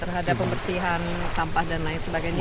terhadap pembersihan sampah dan lain sebagainya